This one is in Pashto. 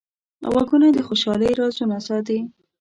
غوږونه د خوشحالۍ رازونه ساتي